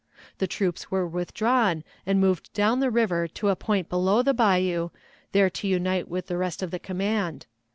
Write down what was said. The troops were withdrawn and moved down the river to a point below the bayou, there to unite with the rest of the command.